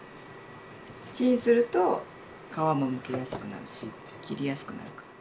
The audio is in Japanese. チンすると皮もむきやすくなるし切りやすくなるから。